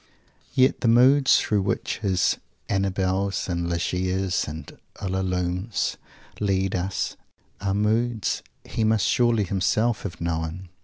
Yet the moods through which his Annabels and Ligeias and Ulalumes lead us are moods he must surely himself have known.